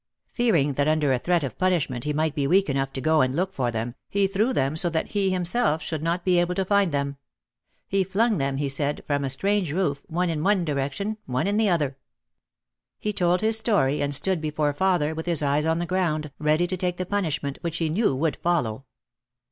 Fearing that under a threat of punishment he might be weak enough to go and look for them, he threw them so that he himself should not be able to find them. He flung them, he said, from a strange roof, one in one direction, one in the other. He 152 OUT OF THE SHADOW told his story and stood before father with his eyes on the ground ready to take the punishment which he knew would follow.